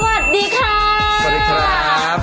สวัสดีครับ